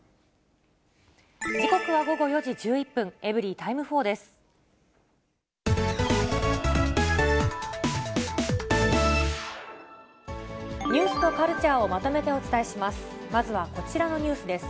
時刻は午後４時１１分、エブリィタイム４です。